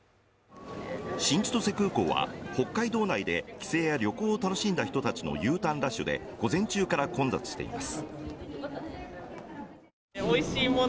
新千歳空港は北海道内で帰省や旅行を楽しんだ人たちのＵターンラッシュで午前中から混雑しています。